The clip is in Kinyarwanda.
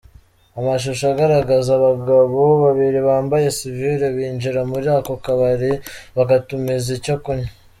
Amashusho agaragaza abagabo babiri bambaye sivile binjira muri ako kabari bagatumiza icyo kunywa.